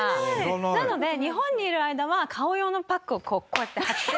なので日本にいる間は顔用のパックをこうやって貼って。